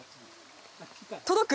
届く？